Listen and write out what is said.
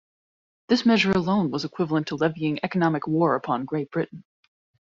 This measure alone "was equivalent to levying economic war" upon Great Britain.